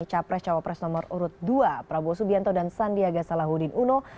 capres cawapres nomor urut dua prabowo subianto dan sandiaga salahuddin uno